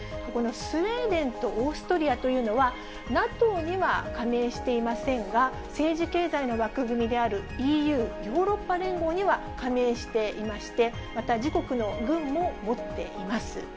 このスウェーデンとオーストリアというのは、ＮＡＴＯには加盟していませんが、政治経済の枠組みであるＥＵ・ヨーロッパ連合には加盟していまして、また自国の軍も持っています。